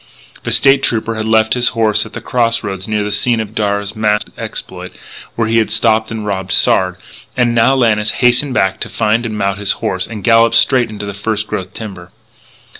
The State Trooper had left his horse at the cross roads near the scene of Darragh's masked exploit, where he had stopped and robbed Sard and now Lannis hastened back to find and mount his horse, and gallop straight into the first growth timber.